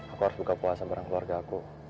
aku harus buka puasa bareng keluarga aku